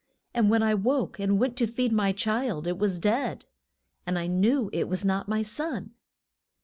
And when I woke, and went to feed my child, it was dead. And I knew it was not my son.